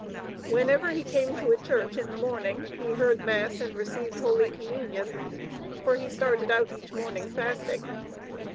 Whenever he came to a church in the morning, he heard Mass and received Holy Communion, for he started out each morning fasting.